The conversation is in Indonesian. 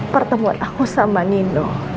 pertemuan aku sama nino